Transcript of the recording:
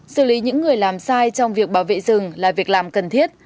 xử lý những người làm sai trong việc bảo vệ rừng là việc làm cần thiết